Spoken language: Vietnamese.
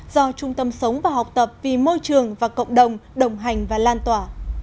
do trung tâm sống và học tập vì môi trường và cộng đồng đồng hành và lan tỏa